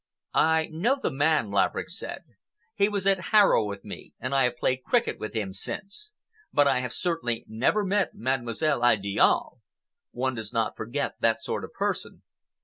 "I know the man," Laverick said. "He was at Harrow with me, and I have played cricket with him since. But I have certainly never met Mademoiselle Idiale. One does not forget that sort of person."